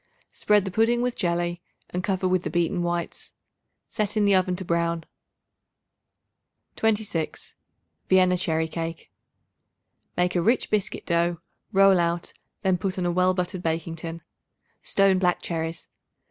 Spread the pudding with jelly and cover with the beaten whites; set in the oven to brown. 26. Vienna Cherry Cake. Make a rich biscuit dough; roll out; then put on a well buttered baking tin. Stone black cherries.